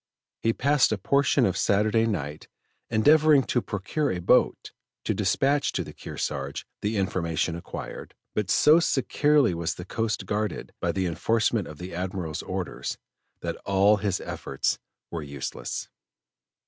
He passed a portion of Saturday night endeavoring to procure a boat to dispatch to the Kearsarge the information acquired, but so securely was the coast guarded by the enforcement of the Admiral's orders, that all his efforts were useless.